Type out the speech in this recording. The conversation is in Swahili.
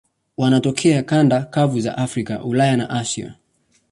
Wanatokea kanda kavu za Afrika, Ulaya na Asia.